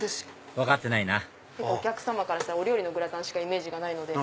分かってないなお客さまからしたらお料理のグラタンしかイメージがないので。